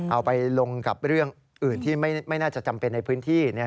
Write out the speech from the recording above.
เอาไปลงกับเรื่องอื่นที่ไม่น่าจะจำเป็นในพื้นที่